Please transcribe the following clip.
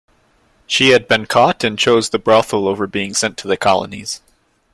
She had been caught and chose the brothel over being sent to the Colonies.